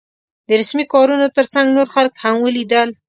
د رسمي کارونو تر څنګ نور خلک هم ولیدل.